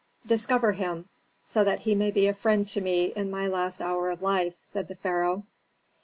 "Discover him, so that he may be a friend to me in my last hour of life," said the pharaoh.